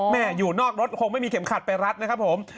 อยู่นอกรถคงไม่มีเข็มขัดไปรัดนะครับผม